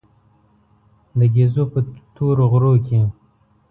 د ګېزو په تورو غرو کې.